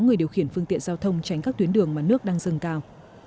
người điều khiển phương tiện giao thông tránh các tuyến đường mà nước đang dâng cao